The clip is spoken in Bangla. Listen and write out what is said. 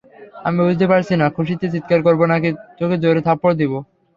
আমি বুঝতে পারছি না খুশিতে চিৎকার করব নাকি তোকে জোরে থাপড় দিব!